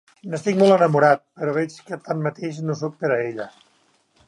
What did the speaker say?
N'estic molt enamorat, però veig que tanmateix no soc per a ella.